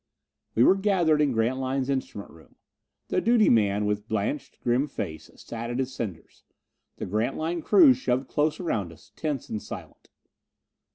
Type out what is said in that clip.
We were gathered in Grantline's instrument room. The duty man, with blanched grim face, sat at his senders. The Grantline crew shoved close around us, tense and silent.